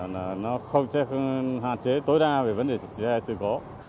là nó không hạn chế tối đa về vấn đề sử dụng sử dụng